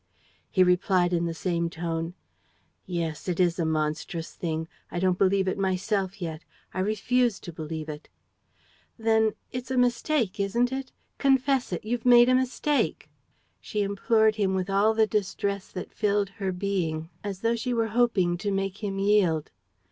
He replied in the same tone: "Yes, it is a monstrous thing. I don't believe it myself yet. I refuse to believe it." "Then it's a mistake, isn't it? Confess it, you've made a mistake." She implored him with all the distress that filled her being, as though she were hoping to make him yield.